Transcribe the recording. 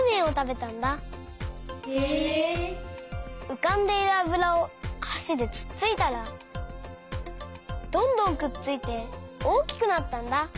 うかんでいるあぶらをはしでつっついたらどんどんくっついておおきくなったんだ。